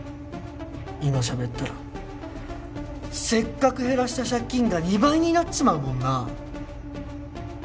今しゃべったらせっかく減らした借金が２倍になっちまうもんな。